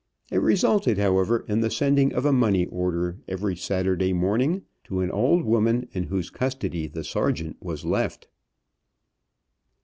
It resulted, however, in the sending of a money order every Saturday morning to an old woman in whose custody the Sergeant was left.